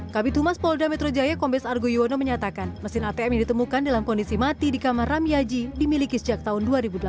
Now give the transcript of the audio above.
kb tumas polda metro jaya kombes argo yuwono menyatakan mesin atm yang ditemukan dalam kondisi mati di kamar ramiyaji dimiliki sejak tahun dua ribu delapan belas